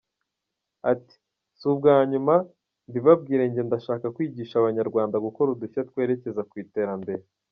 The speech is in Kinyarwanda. Ati: “Si ubwa nyuma, mbibabwire njye ndashaka kwigisha abanyarwanda gukora udushya twerekeza ku iterambere.